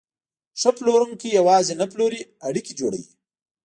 ښه پلورونکی یوازې نه پلوري، اړیکې جوړوي.